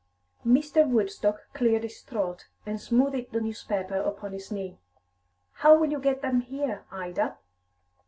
Mr. Woodstock cleared his throat and smoothed the newspaper upon his knee. "How will you get them here, Ida?"